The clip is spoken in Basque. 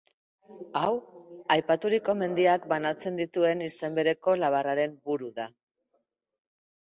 Hau, aipaturiko mendiak banatzen dituen izen bereko labarraren buru da.